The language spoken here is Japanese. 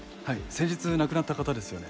先日亡くなった方ですよね。